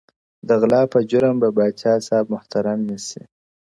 د غلا په جرم به پاچاصاب محترم نیسې.